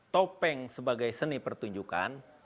topeng sebagai seni pertunjukan